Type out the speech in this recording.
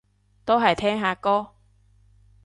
都係聽下歌